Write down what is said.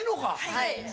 はい。